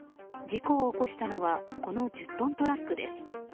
事故を起こしたのはこの１０トントラックです。